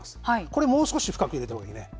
これ、もう少し深く入れたほうがいいね。